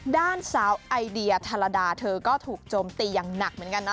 ด้านสาวไอเดียทารดาเธอก็ถูกโจมตีอย่างหนักเหมือนกันนะ